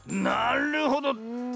なるほど。